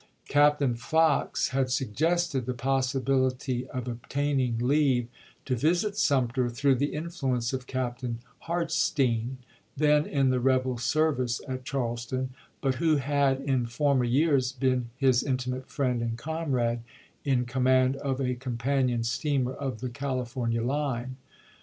Captain Fox had suggested the possi bility of obtaining leave to visit Sumter through the influence of Captain Hartstene, then in the rebel service at Charleston, but who had in former years been his intimate friend and comrade in command of a companion steamer of the California line.